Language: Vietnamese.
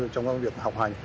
trong việc học hành